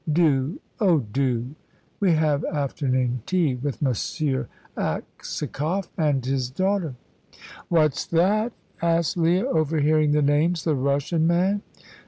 Do, oh do! We have afternoon tea with Monsieur Aksakoff and his daughter." "What's that?" asked Leah, overhearing the names; "the Russian man?"